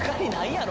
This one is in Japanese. やろ